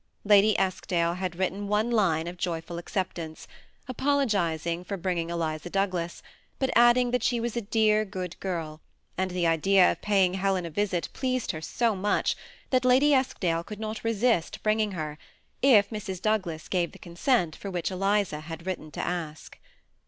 Lady Eskdale had written one line of joyful acceptance, apologizing for bringing Eliza Douglas; but adding, that she was a dear good girl, and the idea of paying Helen a visit pleased her so much, that Lady Eskdale could not resist bringing her^ if Mrs. Douglas gave the consent for which Eliza had written to ask.